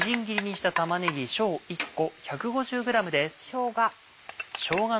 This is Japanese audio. しょうが。